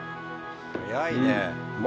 早いね！